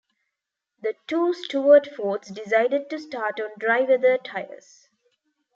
The two Stewart-Fords decided to start on dry weather tyres.